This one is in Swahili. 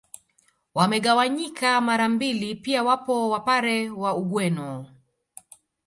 Wamegawanyika mara mbili pia wapo Wapare wa Ugweno